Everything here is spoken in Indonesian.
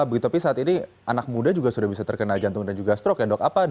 begitu tapi saat ini anak muda juga sudah bisa terkena jantung dan juga strok ya dok